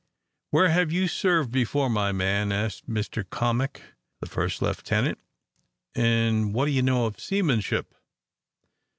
"Where have you served before, my man?" asked Mr Cammock, the first lieutenant; "and what do you know of seamanship?"